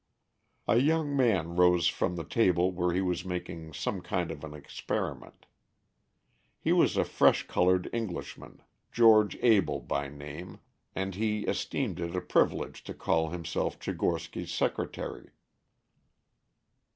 A young man rose from the table where he was making some kind of an experiment. He was a fresh colored Englishman, George Abell by name, and he esteemed it a privilege to call himself Tchigorsky's secretary.